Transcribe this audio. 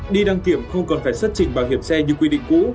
đi đăng kiểm không còn phải xuất trình bảo hiểm xe như quy định cũ